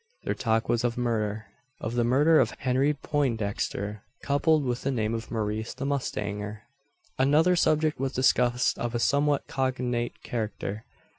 Their talk was of murder of the murder of Henry Poindexter coupled with the name of Maurice the mustanger. Another subject was discussed of a somewhat cognate character.